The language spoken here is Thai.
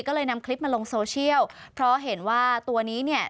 ก็เลยนำคลิปมาลงโซเชียลเพราะเห็นว่าตัวนี้เนี่ย